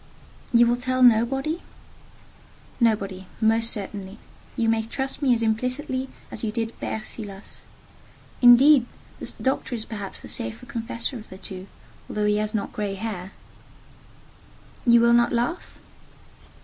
"You will tell nobody?" "Nobody—most certainly. You may trust me as implicitly as you did Père Silas. Indeed, the doctor is perhaps the safer confessor of the two, though he has not grey hair." "You will not laugh?"